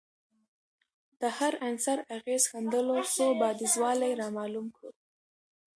د هر عنصر اغېز ښندلو څو بعدیزوالی رامعلوم کړو